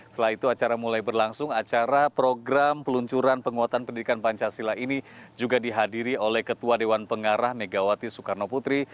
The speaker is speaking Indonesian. setelah itu acara mulai berlangsung acara program peluncuran penguatan pendidikan pancasila ini juga dihadiri oleh ketua dewan pengarah megawati soekarno putri